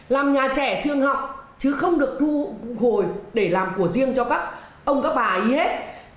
làm nhà trẻ trường học chứ không được thu hồi để làm của riêng cho các ông các bà ấy hết